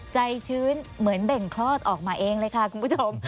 ชื้นเหมือนเบ่งคลอดออกมาเองเลยค่ะคุณผู้ชม